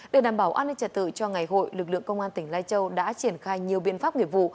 để đảm bảo an ninh trật tự cho ngày hội lực lượng công an tỉnh lai châu đã triển khai nhiều biện pháp nghiệp vụ